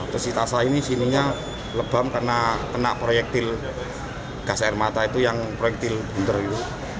besi tasa ini sininya lebam karena kena proyektil gas air mata itu yang proyektil bunder itu